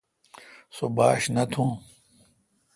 سو باݭ نہ تھوں۔